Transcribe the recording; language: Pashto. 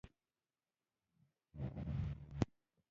لر او بر پښتانه يوه وینه ده، ټول سره وروڼه خويندي دي